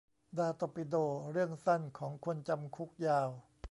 ดา ตอร์ปิโด : เรื่องสั้น ของคนจำ คุก ยาว